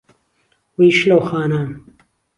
وهی شلهو خانان